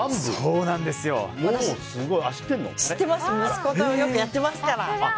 息子とよくやってますから。